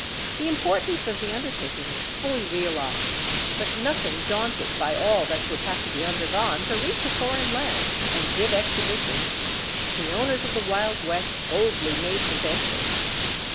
The importance of the undertaking was fully realized, but nothing daunted by all that would have to be undergone to reach a foreign land and give exhibitions, the owners of the Wild West boldly made the venture.